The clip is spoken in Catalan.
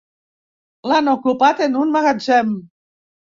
L'han ocupat en un magatzem.